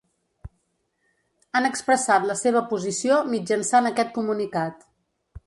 Han expressat la seva posició mitjançant aquest comunicat.